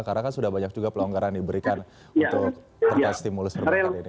karena kan sudah banyak juga pelonggaran diberikan untuk stimulus perbankan ini